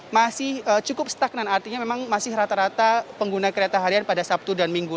masih cukup stagnan artinya memang masih rata rata pengguna kereta harian pada sabtu dan minggu